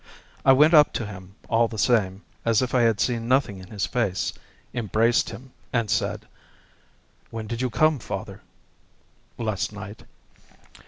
I went up to him, all the same, as if I had seen nothing in his face, embraced him, and said: "When did you come, father?" "Last night."